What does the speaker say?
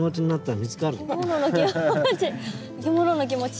いきものの気持ち！